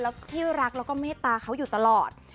และที่รักและเมตตาเขาอยู่ตลอด